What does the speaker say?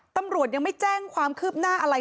ตำรวจยังไม่แจ้งความคืบหน้าอะไร